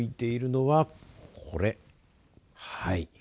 はい。